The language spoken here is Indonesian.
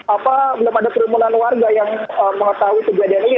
apa belum ada kerumunan warga yang mengetahui kejadian ini